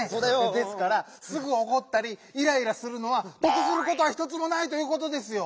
ですから「すぐおこったりイライラするのはとくすることはひとつもない」ということですよ。